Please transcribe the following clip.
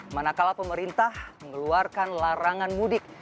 manakala pemerintah mengeluarkan larangan mudik